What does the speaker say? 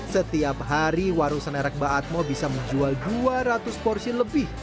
setiap hari warung senerak mbak atmo bisa menjual dua ratus porsi lebih